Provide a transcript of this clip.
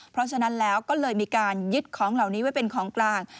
เพราะฉะนั้นแล้วก็เลยมีการยึดของเหล่านี้ไว้เป็นของกลาง